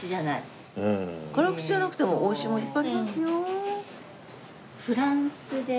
辛口じゃなくても美味しいものいっぱいありますよ。